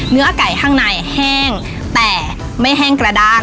เนื้อไก่ข้างในแห้งแต่ไม่แห้งกระด้าง